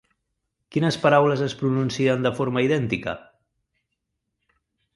Quines paraules es pronuncien de forma idèntica?